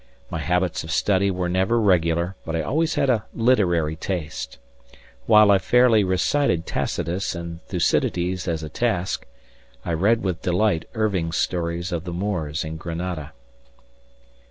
My habits of study were never regular, but I always had a literary taste. While I fairly recited Tacitus and Thucydides as a task, I read with delight Irving's stories of the Moors in Granada.